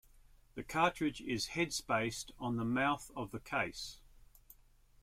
The cartridge is headspaced on the mouth of the case.